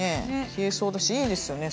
消えそうだしいいですよね